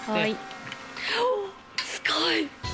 すごい。